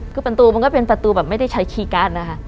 คือประตูมันก็เป็นประตูแบบไม่ได้ใช้คีย์การ์ดนะคะ